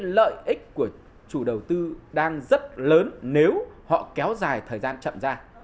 lợi ích của chủ đầu tư đang rất lớn nếu họ kéo dài thời gian chậm ra